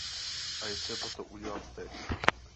A je třeba to udělat teď.